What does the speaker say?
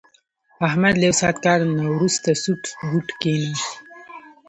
احمد له یو ساعت کار نه ورسته سوټ بوټ کېناست.